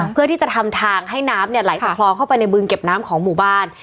เพื่อที่จะทำทางให้น้ำเนี่ยไหลจากคลองเข้าไปในบึงเก็บน้ำของหมู่บ้าน